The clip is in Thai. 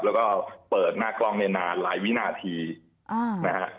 แล้วก็เปิดหน้ากล้องได้นานหลายวินาทีนะฮะ